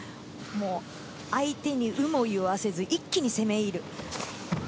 相手に有無を言わせず、一気に攻め入る。